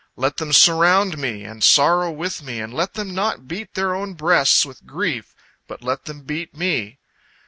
Let them surround me and sorrow with me, and let them not beat their own breasts with grief, but let them beat me.